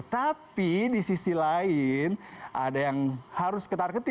tapi di sisi lain ada yang harus ketar ketir